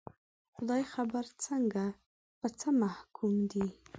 خدای خبر څنګه، په څه محکوم دي